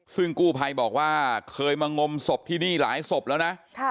ซึ่งกู้ภัยบอกว่าเคยมางมศพที่นี่หลายศพแล้วนะ